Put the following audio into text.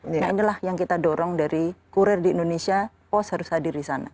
nah inilah yang kita dorong dari kurir di indonesia post harus hadir di sana